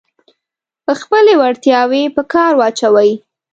خپلې وړتیاوې په کار واچوئ.